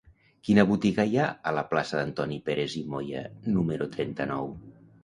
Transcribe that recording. Quina botiga hi ha a la plaça d'Antoni Pérez i Moya número trenta-nou?